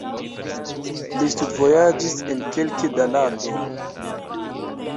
Li studvojaĝis en kelke da landoj.